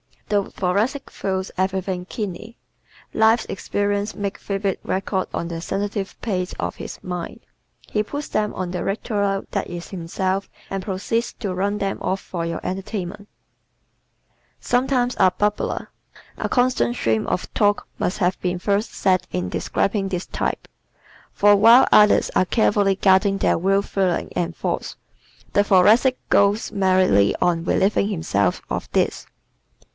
The Thoracic feels everything keenly. Life's experiences make vivid records on the sensitive plate of his mind. He puts them on the Victrola that is himself and proceeds to run them off for your entertainment. Sometimes a "Bubbler" ¶ "A constant stream of talk" must have been first said in describing this type. For while others are carefully guarding their real feelings and thoughts the Thoracic goes merrily on relieving himself of his.